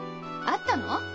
あったの？